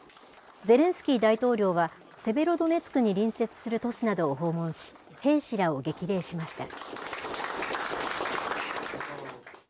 ゼレンスキー大統領は、セベロドネツクに隣接する都市などを訪問し、兵士らを激励しました。